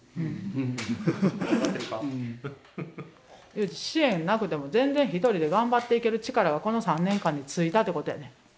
ゆうじ支援なくても全然１人で頑張っていける力がこの３年間でついたってことやねん。